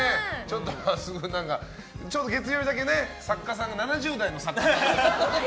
ちょっと月曜日だけ作家さんが７０代の作家さんで。